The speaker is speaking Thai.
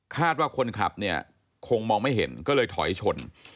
ว่าคนขับเนี่ยคงมองไม่เห็นก็เลยถอยชน